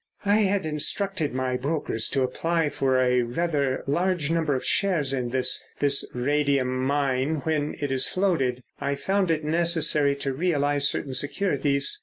"I had instructed my brokers to apply for a rather large number of shares in this—this radium mine when it is floated. I found it necessary to realise certain securities.